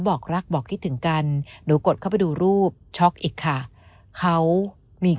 บอกรักบอกคิดถึงกันหนูกดเข้าไปดูรูปช็อกอีกค่ะเขามี